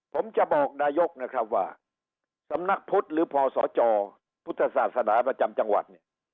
ผมจะบอกนายกนะครับว่าสำนักพุทธหรือพศจพุทธศาสนาประจำจังหวัดเนี่ย